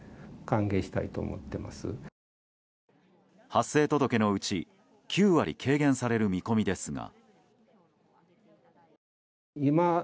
発生届のうち９割軽減される見込みですが。